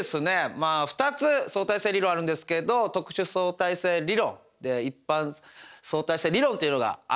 まあ２つ相対性理論あるんですけれど特殊相対性理論一般相対性理論というのがあります。